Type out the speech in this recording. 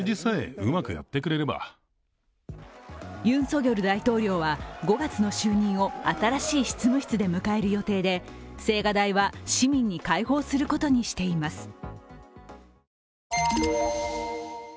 ユン・ソギョル大統領は５月の就任を新しい執務室で迎える予定で、青瓦台は市民に開放することにしています。